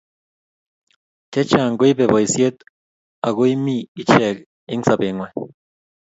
Chechang koibei boisiet ago iimi ichek eng sobengwai